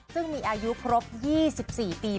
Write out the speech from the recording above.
ซึ่งมีอายุพรบ๒๔ปีพอดี